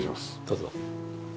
どうぞ。